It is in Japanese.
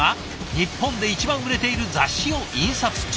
日本で一番売れている雑誌を印刷中。